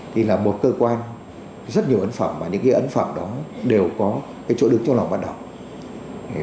thì là một cơ quan rất nhiều ấn phẩm và những ấn phẩm đó đều có chỗ đứng trong lòng bắt đầu